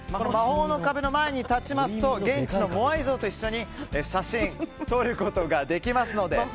魔法の壁の前に立ちますと現地のモアイ像と一緒に写真を撮ることができますので。